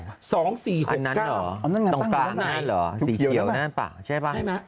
อันนั้นหรอตรงฝั่งนั้นหรอสีเขียวนั้นหรอใช่ไหม